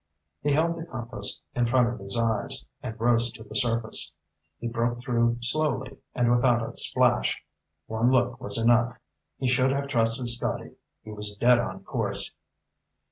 He held the compass in front of his eyes, and rose to the surface. He broke through slowly and without a splash. One look was enough. He should have trusted Scotty. He was dead on course.